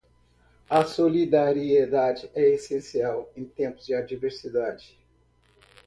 A solidariedade é essencial em tempos de adversidade.